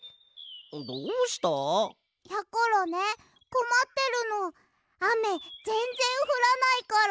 どうした？やころねこまってるのあめぜんぜんふらないから。